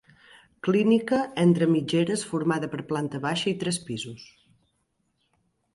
Clínica entre mitgeres formada per planta baixa i tres pisos.